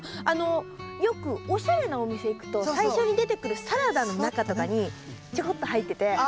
あのよくおしゃれなお店行くと最初に出てくるサラダの中とかにちょこっと入ってて。